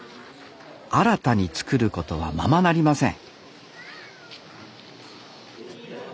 新たに作ることはままなりません